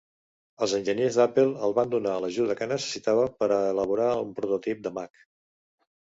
Els enginyers d'Apple el van donar l'ajuda que necessitava per a elaborar un prototip de Mac.